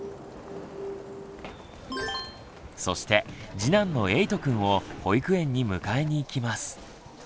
そして次男のえいとくんを保育園に迎えに行きます。